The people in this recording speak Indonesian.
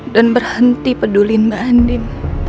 dan berhenti peduliin mbak andin